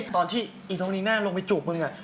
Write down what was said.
ตอนที่ไอ้โรนิน่าลงไปจูบมึงอ่ะ